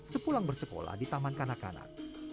sepulang bersekolah di taman kanak kanak